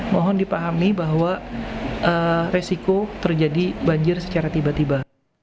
mohon dipahami bahwa resiko terjadi banjir secara tiba tiba